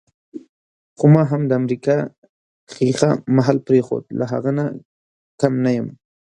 خو ما هم د امریکا ښیښه محل پرېښود، له هغه نه کم نه یم.